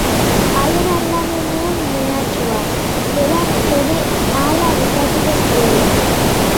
Haien aldamenean mehatxua, berak ere hala bukatuko zuela.